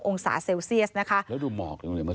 ๒๐๒๒องศาเซลเซียสนะคะ